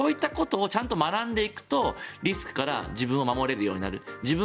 そういったことを学んでいくとリスクから自分を守れるようになる。